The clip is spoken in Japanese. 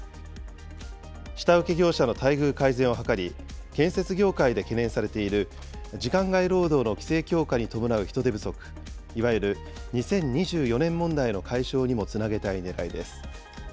下請け業者の待遇改善を図り、建設業界で懸念されている、時間外労働の規制強化に伴う人手不足、いわゆる２０２４年問題の解消にもつなげたいねらいです。